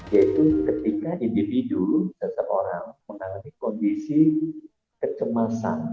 yaitu ketika individu seseorang mengalami kondisi kecemasan